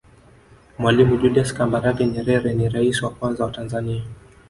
mwalimu julias kambarage nyerere ni raisi wa kwanza wa tanzania